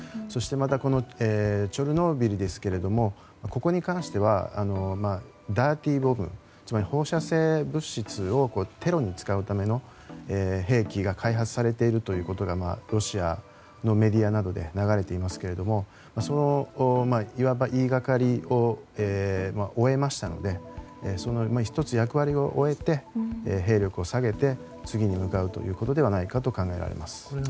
そしてまたチョルノービリですがここに関してはダーティーボムつまり、放射性物質をテロに使うための兵器が開発されているということがロシアのメディアなどで流れていますけれどその、いわば言いがかりを終えましたので１つ役割を終えて、兵力を下げて次に向かうということではないかと考えられます。